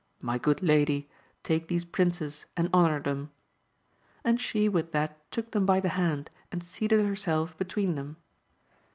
My good lady, take these princes and honour them : and she with that took them by the hand, and seated herself between them.